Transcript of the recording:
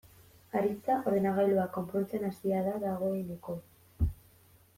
Aritza ordenagailua konpontzen hasia da dagoeneko.